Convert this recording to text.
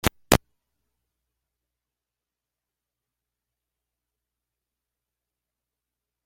Cotizaba en el Mercado Continuo de las Bolsas de Madrid, Barcelona y Bilbao.